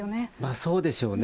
そうでしょうね。